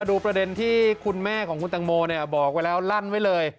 ดูประเด็นที่คุณแม่ของคุณตังโมบอกไว้แล้วลั่นไว้เลย